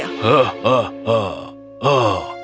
hah hah hah